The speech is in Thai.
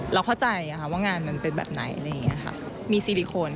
เราเข้าใจว่ามันเป็นแบบไหนมีซิลิโคนค่ะ